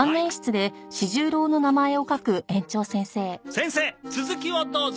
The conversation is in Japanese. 先生続きをどうぞ！